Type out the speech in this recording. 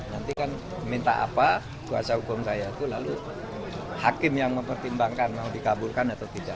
nanti kan minta apa kuasa hukum saya itu lalu hakim yang mempertimbangkan mau dikabulkan atau tidak